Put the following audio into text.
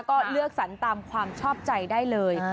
ก็เลือกสรรตามความชอบใจได้เลย